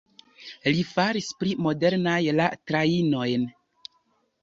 Li faris pli modernaj la trajnojn.